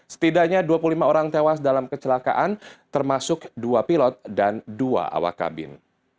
setidaknya dua puluh lima orang tewas dalam kecelakaan termasuk dua pilot dan dua awak kabin